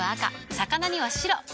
魚には白。